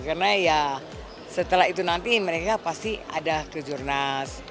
karena ya setelah itu nanti mereka pasti ada ke jurnas